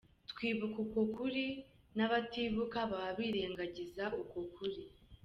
Twibuka uko kuri, n’abatibuka baba birengagiza uko kuri.